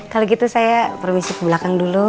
kalau gitu saya permisi ke belakang dulu